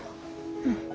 うん。